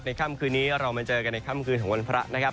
ค่ำคืนนี้เรามาเจอกันในค่ำคืนของวันพระนะครับ